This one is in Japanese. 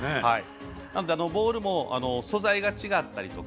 ボールも素材が違ったり。